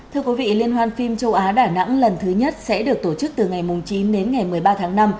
thưa quý vị liên hoan phim châu á đà nẵng lần thứ nhất sẽ được tổ chức từ ngày chín đến ngày một mươi ba tháng năm